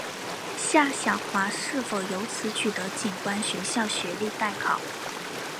夏晓华是否由此取得警官学校学历待考。